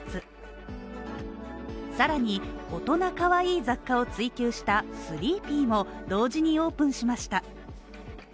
さらに大人かわいい雑貨を追求したＴＨＲＥＥＰＰＹも同時にオープンしました。